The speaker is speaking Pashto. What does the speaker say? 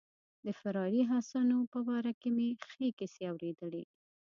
د فراري حسنو په باره کې مې ښې کیسې اوریدلي.